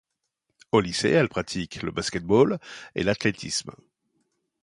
Au lycée, elle pratique le basket-ball et l’athlétisme.